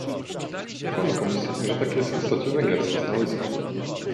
Ufamy Komisji, że takie jest w istocie węgierskie stanowisko